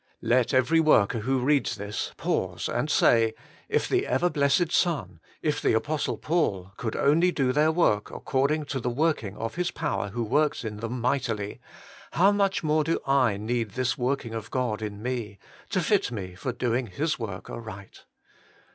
Let every worker who reads this pause, and say — If the ever blessed Son, if the Apostle Paul, could only do their work according to the working of His power who worked in them mightily, how much more do I need this working of God in me, to fit me for doing His work aright.